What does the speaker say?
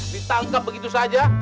ditangkap begitu saja